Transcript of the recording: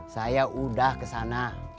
saya udah kesana